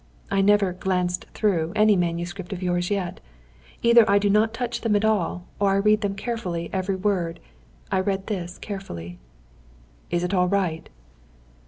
I never 'glanced through' any manuscript of yours yet. Either I do not touch them at all, or I read them carefully every word. I read this carefully." "Is it all right?"